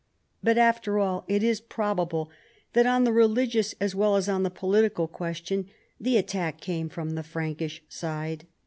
But, after all, it is probable that on the religious as well as on the political question the attack came from the Frankish side.